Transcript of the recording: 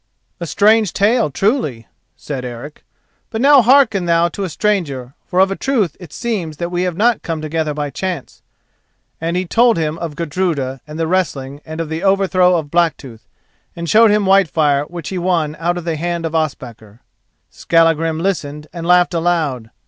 "A strange tale, truly," said Eric; "but now hearken thou to a stranger, for of a truth it seems that we have not come together by chance," and he told him of Gudruda and the wrestling and of the overthrow of Blacktooth, and showed him Whitefire which he won out of the hand of Ospakar. Skallagrim listened and laughed aloud.